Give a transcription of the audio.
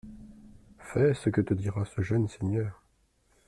Fais ce que te dira ce jeune seigneur.